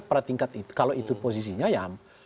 pada tingkat itu kalau itu posisinya ya